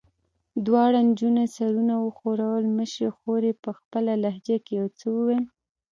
دواړو نجونو سرونه وښورول، مشرې خور یې په خپله لهجه کې یو څه وویل.